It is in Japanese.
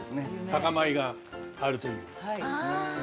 酒米があるという。